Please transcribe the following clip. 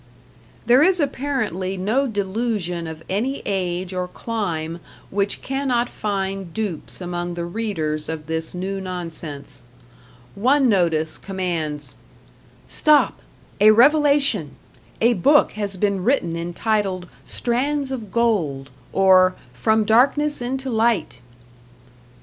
There is apparently no delusion of any age or clime which cannot find dupes among the readers of this New Nonsense. One notice commands: Stop! A Revelation! A Book has been written entitled "Strands of Gold" or "from Darkness into Light!"